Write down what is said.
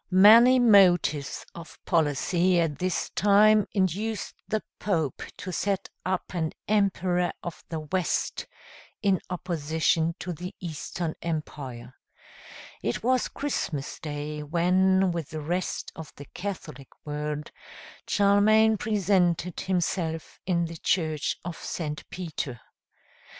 Many motives of policy at this time induced the Pope to set up an emperor of the West in opposition to the Eastern Empire. It was Christmas day, when, with the rest of the Catholic world, Charlemagne presented himself in the church of St. Peter.